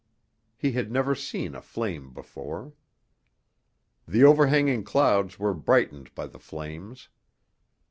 He had never seen a flame before. The overhanging clouds were brightened by the flames.